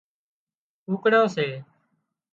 ڪوڪڙان سي